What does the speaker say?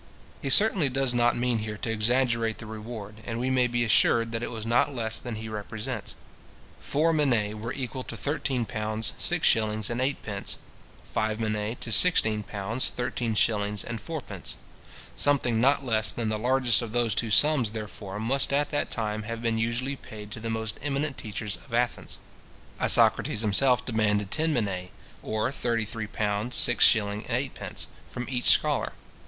He certainly does not mean here to exaggerate the reward, and we may be assured that it was not less than he represents it. Four minae were equal to thirteen pounds six shillings and eightpence; five minae to sixteen pounds thirteen shillings and fourpence. Something not less than the largest of those two sums, therefore, must at that time have been usually paid to the most eminent teachers at Athens. Isocrates himself demanded ten minae, or £ 33:6:8 from each scholar.